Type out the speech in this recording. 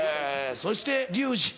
そしてリュウジ